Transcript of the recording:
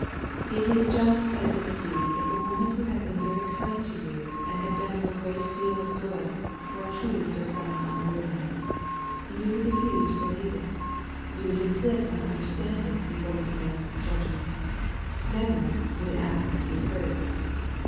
It is just as it would be if a woman who had been very kind to you and had done you a great deal of good were accused of some unworthiness. You would refuse to believe it. You would insist on understanding before you pronounced judgment. Memories would ask to be heard.